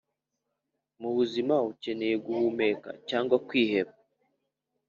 mubuzima ukeneye guhumeka cyangwa kwiheba.